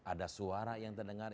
ada suara yang terdengar